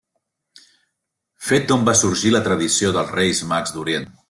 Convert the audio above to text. Fet d'on va sorgir la tradició dels Reis Mags d'Orient.